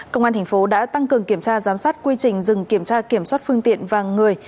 công an thành phố đã tăng cường kiểm tra giám sát quy trình dừng kiểm tra kiểm soát phương tiện và người